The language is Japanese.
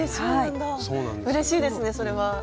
うれしいですねそれは。